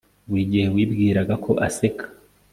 Buri gihe wibwiraga ko aseka